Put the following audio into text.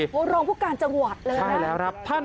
รองผู้การจังหวัดเลยนะครับใช่แล้วครับครับ